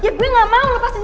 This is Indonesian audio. ya gue gak mau lepasin